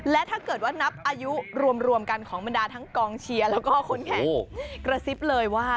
และถ้าเกิดว่านับอายุรวมกันของบรรดาทั้งกองเชียร์แล้วก็คนแข่งกระซิบเลยว่า